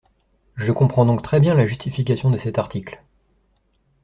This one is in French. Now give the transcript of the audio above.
Je comprends donc très bien la justification de cet article.